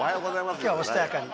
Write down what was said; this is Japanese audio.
今日はおしとやかに。